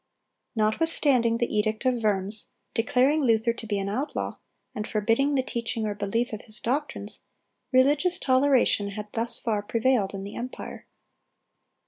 Notwithstanding the edict of Worms, declaring Luther to be an outlaw, and forbidding the teaching or belief of his doctrines, religious toleration had thus far prevailed in the empire.